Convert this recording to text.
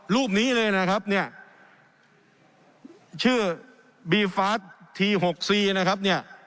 รูปนี้เลยนะครับเนี่ยชื่อบีฟาสที๖๔นะครับเนี่ย